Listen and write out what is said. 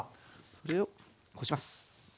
これをこします。